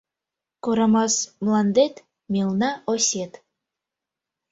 Корамас мландет - мелна осет